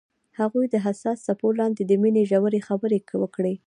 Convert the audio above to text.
هغوی د حساس څپو لاندې د مینې ژورې خبرې وکړې.